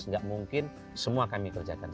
nggak mungkin semua kami kerjakan